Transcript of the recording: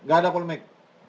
gak ada polemik